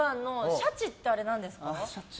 シャチ。